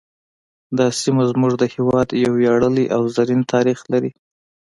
دا سیمه زموږ د هیواد یو ویاړلی او زرین تاریخ لري